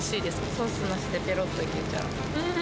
ソースなしでぺろっといけちゃう。